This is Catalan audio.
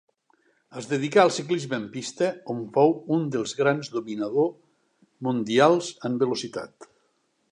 Es dedicà al ciclisme en pista on fou un dels grans dominador mundials en velocitat.